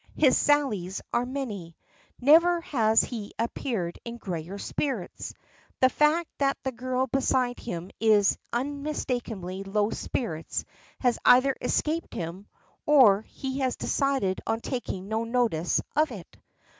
His sallies are many. Never has he appeared in gayer spirits. The fact that the girl beside him is in unmistakably low spirits has either escaped him, or he has decided on taking no notice of it.